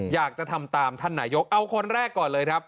อยากจะทำตามท่านนายกเอาคนแรกก่อนเลยครับ